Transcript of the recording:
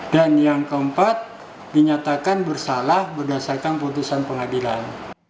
dan yang keempat dinyatakan bersalah berdasarkan keputusan pengadilan